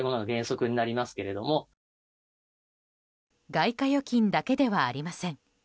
外貨預金だけではありません。